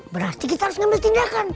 berarti kita harus mengambil tindakan